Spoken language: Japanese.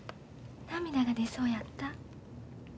涙が出そうやった。